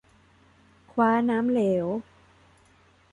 คว้าน้ำเหลว